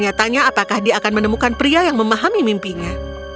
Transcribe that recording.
dia bertanya tanya apakah dia akan menemukan pria yang memahami mimpinya